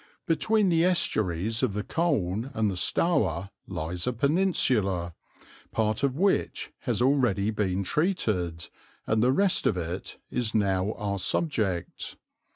Between the estuaries of the Colne and the Stour lies a peninsula, part of which has already been treated, and the rest of it is now our subject.